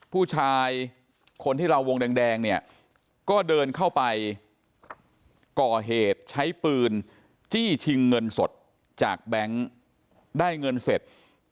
ผู้ชายคนที่เราวงแดงเนี่ยก็เดินเข้าไปก่อเหตุใช้ปืนจี้ชิงเงินสดจากแบงค์ได้เงินเสร็จ